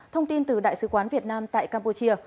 thông tin từ đại sứ quán việt nam tại campuchia